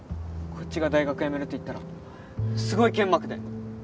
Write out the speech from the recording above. こっちが大学やめるって言ったらすごい剣幕で。